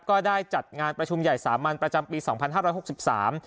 ก็ได้จัดงานประชุมใหญ่สามัญประจำปีสองพันห้าร้อยหกสิบสาม